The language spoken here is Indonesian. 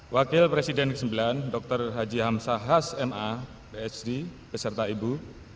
wakil presiden ke sembilan dr haji hamsa has ma phd beserta ibu